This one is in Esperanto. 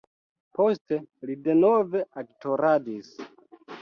Poste li denove aktoradis.